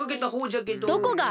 どこが！